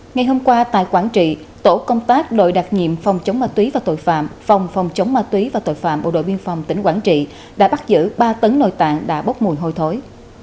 ngày hôm qua tại quảng trị tổ công tác đội đặc nhiệm phòng chống ma túy và tội phạm phòng phòng chống ma túy và tội phạm bộ đội biên phòng tỉnh quảng trị đã bắt giữ ba tấn nồi tệ đã bốc mùi hôi thối